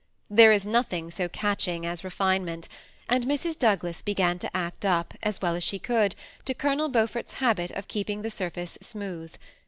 There is nothing so catching as refinement, and Mrs. Douglas began to act up, as well as she could, to Colonel Beaufort's habit of keeping the surface smooth.